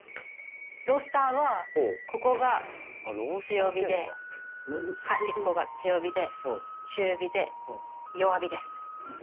ロースターはここが強火で端っこが強火で中火で弱火です。